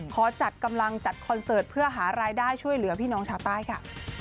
ขอจัดกำลังจัดคอนเสิร์ตเพื่อหารายได้ช่วยเหลือพี่น้องชาวใต้ค่ะ